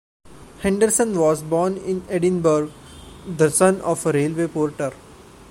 Henderson was born in Edinburgh, the son of a railway porter.